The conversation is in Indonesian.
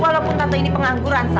walaupun tante ini pengangguran